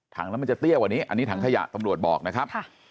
ถังแล้วมันจะเตี้ยวอันนี้อันนี้ถังขยะตำรวจบอกนะครับค่ะ